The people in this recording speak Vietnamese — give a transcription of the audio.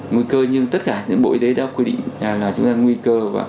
nguy cơ như tất cả những bộ y tế đã quyết định là chúng ta nguy cơ